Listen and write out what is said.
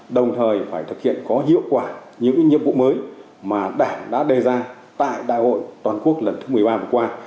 đồng thời phải thực hiện có hiệu quả những nhiệm vụ mới mà đảng đã đề ra tại đại hội toàn quốc lần thứ một mươi ba vừa qua